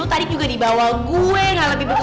oke teman teman saatnya berbicara